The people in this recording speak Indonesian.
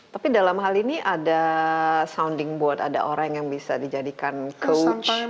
tapi dalam hal ini ada sounding board ada orang yang bisa dijadikan comp